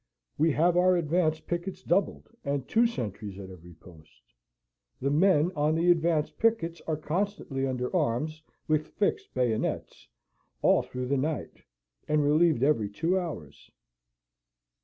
We have our advanced pickets doubled, and two sentries at every post. The men on the advanced pickets are constantly under arms, with fixed bayonets, all through the night, and relieved every two hours.